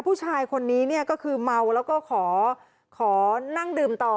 ผู้ชายคนนี้เนี่ยก็คือเมาแล้วก็ขอนั่งดื่มต่อ